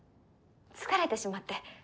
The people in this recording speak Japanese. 疲れてしまって。